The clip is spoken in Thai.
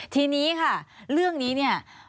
ทีนี้ค่ะเรื่องนี้เนี่ย